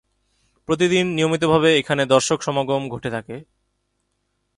প্রতিদিন নিয়মিতভাবে এখানে দর্শক সমাগম ঘটে থাকে।